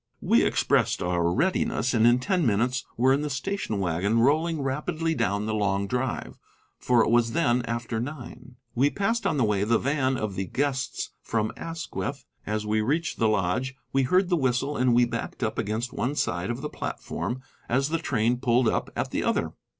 We expressed our readiness, and in ten minutes were in the station wagon, rolling rapidly down the long drive, for it was then after nine. We passed on the way the van of the guests from Asquith. As we reached the lodge we heard the whistle, and we backed up against one side of the platform as the train pulled up at the other.